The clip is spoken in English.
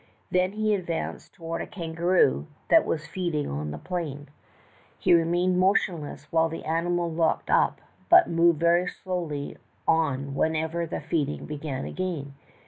Then he advanced toward a kangaroo that was feeding on the plain. He remained motionless when the animal looked up, but moved very slowly on whenever the feeding began again.